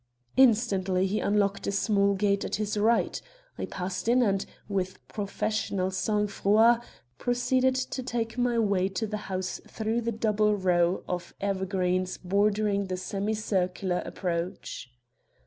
Instantly he unlocked a small gate at his right. I passed in and, with professional sang froid, proceeded to take my way to the house through the double row of evergreens bordering the semicircular approach.